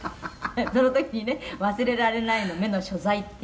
「その時にね忘れられないの“目の所在”っていうのが」